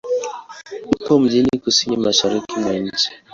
Upo mjini kusini-mashariki mwa nchi.